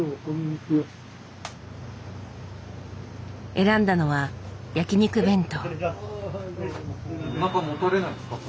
選んだのは焼肉弁当。